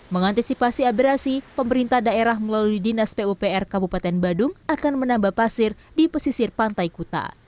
mengantisipasi abrasi pemerintah daerah melalui dinas pupr kabupaten badung akan menambah pasir di pesisir pantai kuta